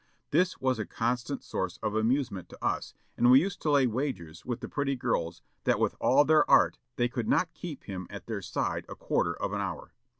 This was a constant source of amusement to us, and we used to lay wagers with the pretty girls that with all their art they could not keep him at their side a quarter of an hour.